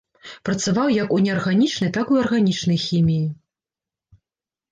Працаваў як у неарганічнай, так і ў арганічнай хіміі.